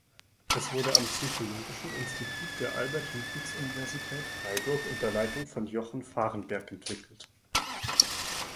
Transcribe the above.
Es wurde am Psychologischen Institut der Albert-Ludwigs-Universität Freiburg unter Leitung von Jochen Fahrenberg entwickelt.